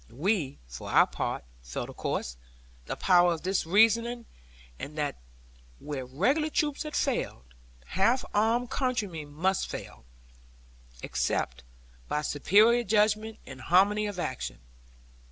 We, for our part, felt of course, the power of this reasoning, and that where regular troops had failed, half armed countrymen must fail, except by superior judgment and harmony of action.